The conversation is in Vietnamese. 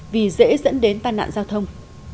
vì dễ dẫn đến tan nạn giao thông